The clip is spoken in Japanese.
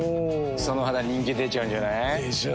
その肌人気出ちゃうんじゃない？でしょう。